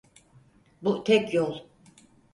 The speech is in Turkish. Bu tek yol.